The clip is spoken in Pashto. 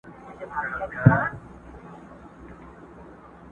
هر غزل ته مي راتللې په هر توري مي ستایلې!.